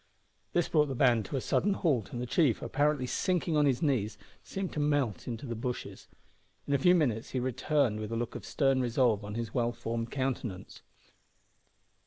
This brought the band to a sudden halt and the chief, apparently sinking on his knees, seemed to melt into the bushes. In a few minutes he returned with a look of stern resolve on his well formed countenance.